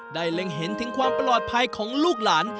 เล็งเห็นถึงความปลอดภัยของลูกหลาน